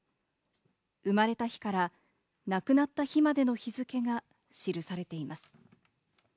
生まれた日から亡くなった日までの日付が記されています。